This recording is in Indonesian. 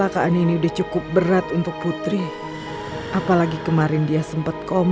like button grains share video dan subscribe channel ini tonton dan bisa beri panggilan ke sharingan video kalian